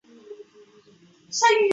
延熙十五年刘琮被立为西河王。